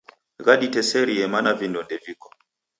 Ghaditeserie mana vindo ndeviko.